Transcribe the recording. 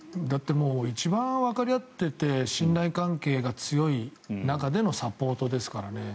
一番わかり合っていて信頼関係が強い中でのサポートですからね。